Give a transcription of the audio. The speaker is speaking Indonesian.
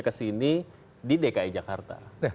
ke sini di dki jakarta